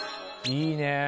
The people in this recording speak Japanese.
いいね。